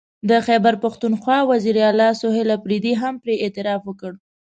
د خیبر پښتونخوا وزیر اعلی سهیل اپريدي هم پرې اعتراف وکړ